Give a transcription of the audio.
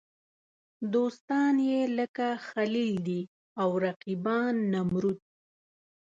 دوستان یې لکه خلیل دي او رقیبان نمرود.